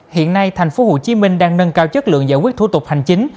hiện nay tp hcm đang nâng cao chất lượng giải quyết thủ tục hành chính